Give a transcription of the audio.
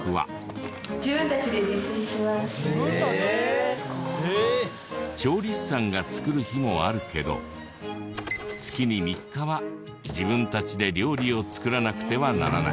自分たちで調理師さんが作る日もあるけど月に３日は自分たちで料理を作らなくてはならない。